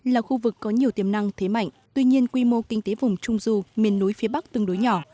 là khu vực có nhiều tiềm năng thế mạnh tuy nhiên quy mô kinh tế vùng trung du miền núi phía bắc tương đối nhỏ